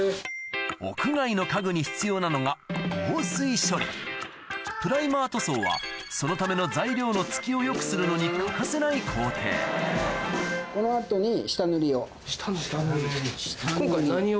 屋外の家具に必要なのが防水処理プライマー塗装はそのための材料の付きをよくするのに欠かせない工程・下塗り今回何を？